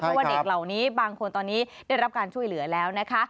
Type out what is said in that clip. เพราะว่าเด็กเหล่านี้บางคนตอนนี้ได้รับการช่วยเหลือแล้วนะคะ